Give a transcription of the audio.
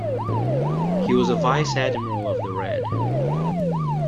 He was a Vice-Admiral of the Red.